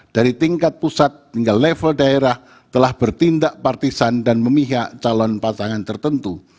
dari tingkat pusat hingga level daerah telah bertindak partisan dan memihak calon pasangan tertentu